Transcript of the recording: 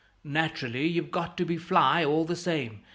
Naturally, you've got to be fly, all the same.